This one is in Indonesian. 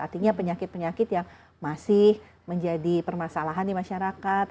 artinya penyakit penyakit yang masih menjadi permasalahan di masyarakat